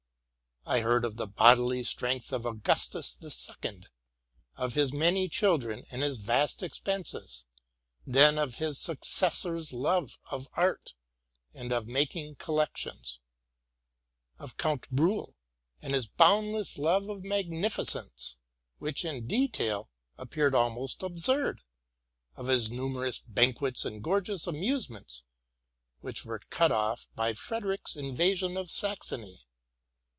I heard of the bodily strength of Augustus the Second, of his many children and his vast expenses, then of his successor's love of art and of making collections ; of Count Briihl and his bound less love of magnificence, which in detail appeared almost absurd, of his numerous banquets and gorgeous amusements, which were all cut off by Frederick's invasion of Saxony.